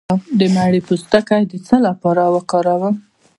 د مڼې پوستکی د څه لپاره وکاروم؟